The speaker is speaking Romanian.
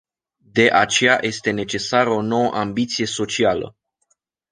De aceea este necesară o nouă ambiție socială.